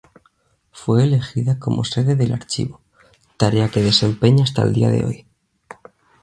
Fue elegida como sede del archivo, tarea que desempeña hasta el día de hoy.